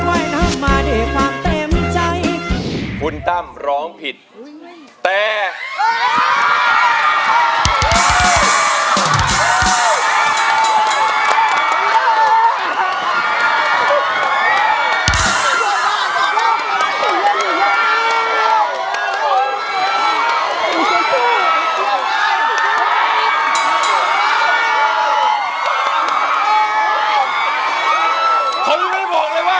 ใครเราไม่ได้บอกเลยว่า